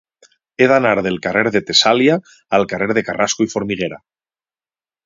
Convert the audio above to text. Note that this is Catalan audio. He d'anar del carrer de Tessàlia al carrer de Carrasco i Formiguera.